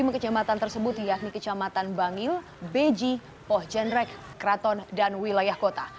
lima kecamatan tersebut yakni kecamatan bangil beji pohjenrek kraton dan wilayah kota